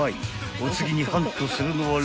［お次にハントするのは］